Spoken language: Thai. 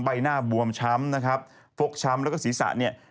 ใบหน้าบวมช้ำฟกช้ำแล้วก็ศีรษะ